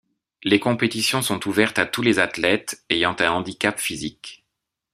Les compétitions sont ouvertes à tous les athlètes ayant un handicap physique.